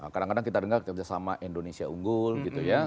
kadang kadang kita dengar kerjasama indonesia unggul gitu ya